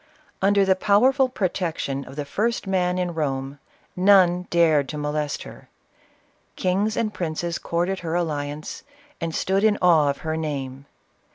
Under the powerful protection of the first man in Borne, none dared to molest her, — kings and princes courted her alliance, and stood in awe of her name.